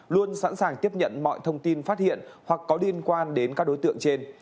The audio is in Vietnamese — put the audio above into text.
luôn sẵn sàng tiếp nhận mọi thông tin phát hiện hoặc có liên quan đến các đối tượng trên